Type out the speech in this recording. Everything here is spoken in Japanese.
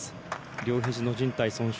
両ひじのじん帯損傷。